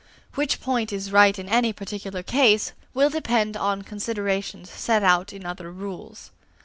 Which point is right in any particular case, will depend upon considerations set out in other rules.